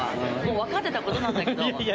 分かってたことなんだけど。